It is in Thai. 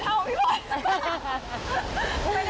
ก็ไม่รู้เหมือนกันว่าเซ็กซี่ได้เท่าพี่พล